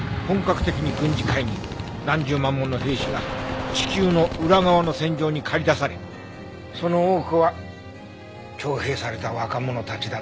何十万もの兵士が地球の裏側の戦場に駆り出されその多くは徴兵された若者たちだったって言うね。